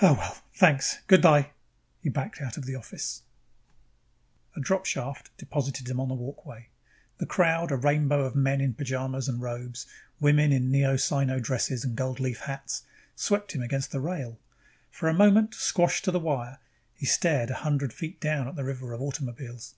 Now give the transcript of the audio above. Oh, well. Thanks. Good by." He backed out of the office. A dropshaft deposited him on a walkway. The crowd, a rainbow of men in pajamas and robes, women in Neo Sino dresses and goldleaf hats, swept him against the rail. For a moment, squashed to the wire, he stared a hundred feet down at the river of automobiles.